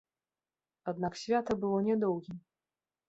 Аднак свята было нядоўгім.